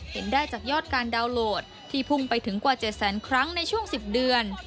เห็นได้จากยอดการดาวน์โหลดที่พุ่งไปถึงกว่า๗แสนครั้งในช่วง๑๐เดือน